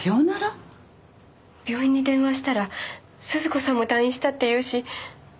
病院に電話したら鈴子さんも退院したっていうし。